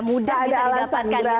mudah bisa didapatkan di sana ya